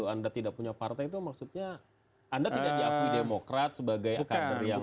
anda tidak punya partai itu maksudnya anda tidak diakui demokrat sebagai kader yang